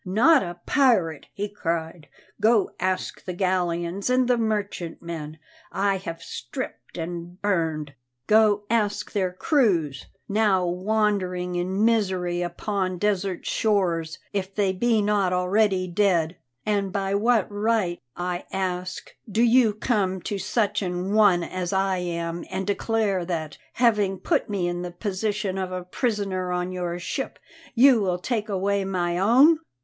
"Not a pirate!" he cried. "Go ask the galleons and the merchantmen I have stripped and burned; go ask their crews, now wandering in misery upon desert shores, if they be not already dead. And by what right, I ask, do you come to such an one as I am and declare that, having put me in the position of a prisoner on your ship, you will take away my own?"